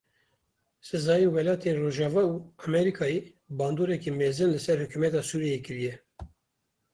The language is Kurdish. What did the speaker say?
Sizayên welatên rojava û Amerîkayê bandoreke mezin li ser hikûmeta Sûriyeyê kiriye.